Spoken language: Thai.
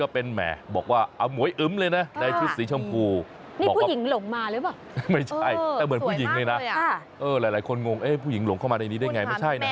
เหมือนผู้หญิงเลยนะหลายคนงงผู้หญิงหลงเข้ามาในนี้ได้ไงไม่ใช่นะ